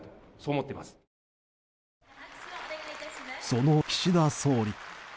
その岸田総理。